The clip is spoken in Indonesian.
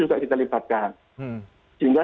juga kita lipatkan sehingga